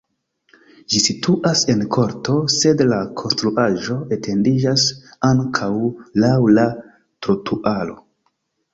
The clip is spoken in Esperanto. Ĝi situas en korto, sed la konstruaĵo etendiĝas ankaŭ laŭ la trotuaro.